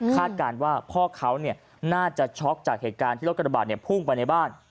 การว่าพ่อเขาน่าจะช็อกจากเหตุการณ์ที่รถกระบาดพุ่งไปในบ้าน